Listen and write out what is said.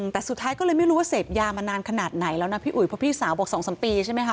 แต่สุดท้ายก็เลยไม่รู้ว่าเสพยามานานขนาดไหนแล้วนะพี่อุ๋ยเพราะพี่สาวบอก๒๓ปีใช่ไหมคะ